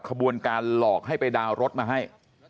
ขบวนการหลอกให้ไปดาวน์รถมาให้